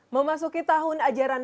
memasuki tahun ajaran